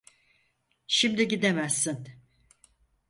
Şimdi gidemezsin.